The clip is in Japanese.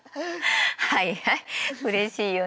はいはいうれしいよね。